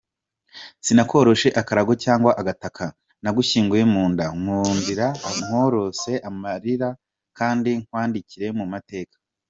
Sinakoroshe akarago cyangwa agataka, nagushyinguye mu nda, nkundira nkorose amalira kandi nkwandike mu mateka.